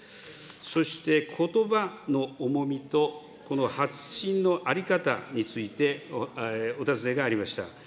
そして、ことばの重みと、この発信の在り方についてお尋ねがありました。